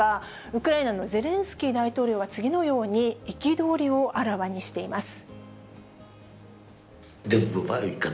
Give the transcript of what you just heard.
ウクライナのゼレンスキー大統領は、次のように憤りをあらわにしています。